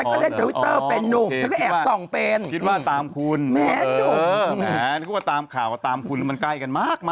แต่เนื่องแต่ว่าตามข่าวว่าตามคุณมันใกล้กันมาก